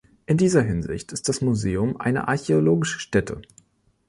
In dieser Hinsicht ist das Museum eine archäologische Stätte.